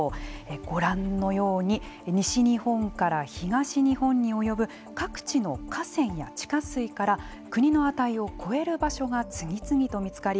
ご覧のように西日本から東日本に及ぶ各地の河川や地下水から国の値を超える場所が次々と見つかり